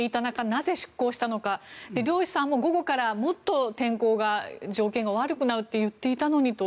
なぜ、出航したのか漁師さんも午後からもっと天候の状況が悪くなると言っていたのにと。